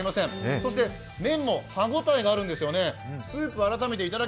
そして、麺も歯応えがあるんですよね。